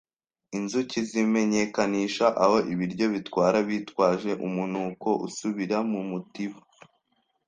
Inzuki zimenyekanisha aho ibiryo bitwara bitwaje umunuko usubira mu mutiba.